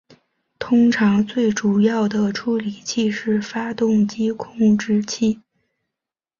通常最主要的处理器是发动机控制器。